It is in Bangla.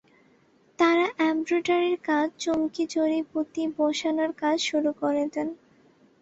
তাঁরা এমব্রয়ডারির কাজ, চুমকি, জড়ি, পুঁতি বসানোর কাজ শুরু করে দেন।